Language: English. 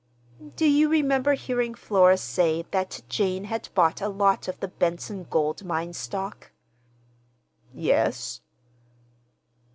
"Do you remember hearing Flora say that Jane had bought a lot of the Benson gold mine stock?" "Yes."